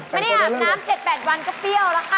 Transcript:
ไม่ได้อาบน้ำ๗๘วันก็เปรี้ยวแล้วค่ะ